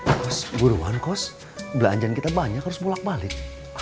pas buruan kos belanjaan kita banyak harus bolak balik